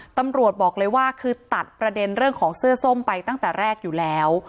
ตำรวจบอกเลยว่าคือตัดประเด็นเรื่องของเสื้อส้มไปตั้งแต่แรกอยู่แล้ว